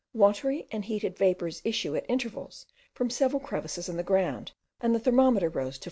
Watery and heated vapours issue at intervals from several crevices in the ground, and the thermometer rose to 43.